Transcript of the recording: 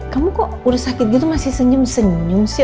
kamu kok udah sakit gitu masih senyum senyum sih